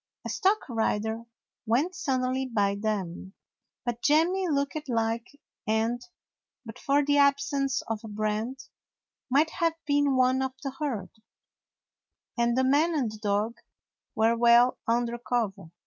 A stock rider went suddenly by them, but J emmy looked like and, but for the absence of a brand, might have been one of the herd, and the man and the dog were well under cover.